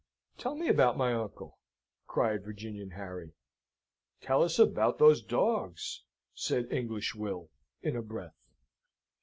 "Tell me about my uncle," cried Virginian Harry. "Tell us about those dogs!" said English Will, in a breath.